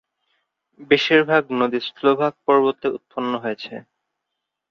বেশিরভাগ নদী স্লোভাক পর্বতে উৎপন্ন হয়েছে।